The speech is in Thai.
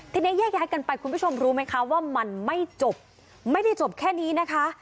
ทีนี้แยกย้ายกันไปคุณผู้ชมรู้ไหมคะว่ามันไม่จบไม่ได้จบแค่นี้นะคะ